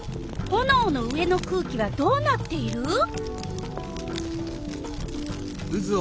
ほのおの上の空気はどうなっている？